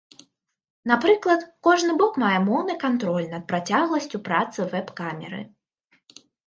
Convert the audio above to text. Напрыклад, кожны бок мае моўны кантроль над працягласцю працы вэб-камеры.